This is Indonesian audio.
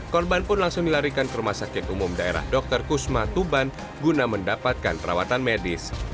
korban pun langsung dilarikan ke rumah sakit umum daerah dr kusma tuban guna mendapatkan perawatan medis